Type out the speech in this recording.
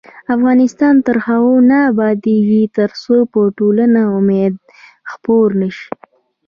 افغانستان تر هغو نه ابادیږي، ترڅو په ټولنه کې امید خپور نشي.